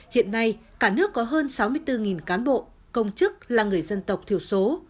hiện nay cả nước có hơn sáu mươi bốn cán bộ công chức là người dân tộc thiểu số